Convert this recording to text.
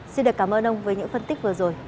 xin được cảm ơn ông với những phân tích vừa rồi